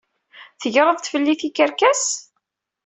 Tegreḍ-d fell-i tikerkas?